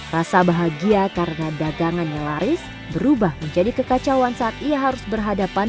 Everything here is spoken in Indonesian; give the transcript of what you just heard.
rasa bahagia karena dagangannya laris berubah menjadi kekacauan saat ia harus berhadapan